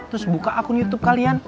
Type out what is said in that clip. terus buka akun youtube kalian